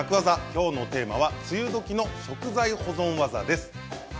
きょうのテーマは梅雨時の食材保存技です。